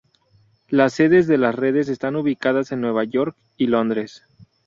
Las sedes de las redes están ubicadas en Nueva York y Londres.